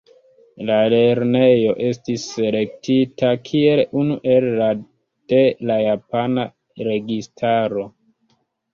La lernejo estis selektita kiel unu el la de la japana registaro.